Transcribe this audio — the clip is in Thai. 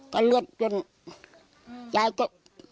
ก็เลือดจนยายก็